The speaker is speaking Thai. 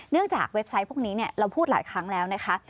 จากเว็บไซต์พวกนี้เราพูดหลายครั้งแล้วนะคะ